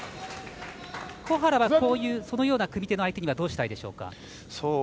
小原はそのような組み手の相手にはどうしたいでしょうか。